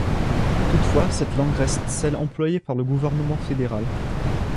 Toutefois cette langue reste celle employée par le Gouvernement fédéral.